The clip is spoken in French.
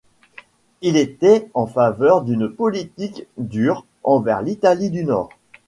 Il était en faveur d'une politique dure envers l'Italie du Nord.